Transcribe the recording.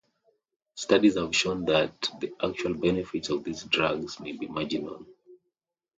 Studies have shown that the actual benefits of these drugs may be marginal.